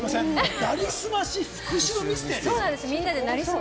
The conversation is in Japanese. なりすまし復讐ミステリー。